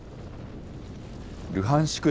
ルハンシク